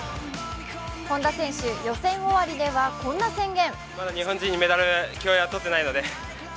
本多選手、予選終わりではこんな宣言。